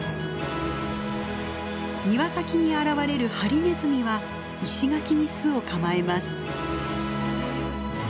庭先に現れるハリネズミは石垣に巣を構えます。